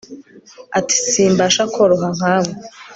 Ati Simbasha kuroha nka mwe